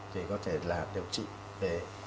thì có thể là điều trị về